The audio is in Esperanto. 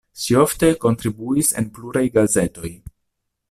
Ŝi ofte kontribuis en pluraj gazetoj.